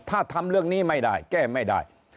ถ้าทำเรื่องนี้ไม่ได้แก้ไม่ได้